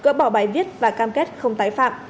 gỡ bỏ bài viết và cam kết không tái phạm